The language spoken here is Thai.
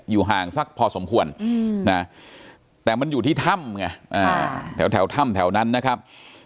ห่างสักพอสมควรนะแต่มันอยู่ที่ถ้ำไงแถวถ้ำแถวนั้นนะครับ